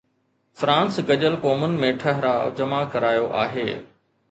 France گڏيل قومن ۾ ٺهراءُ جمع ڪرايو آهي.